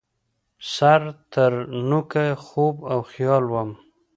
سر ترنوکه خوب او خیال وم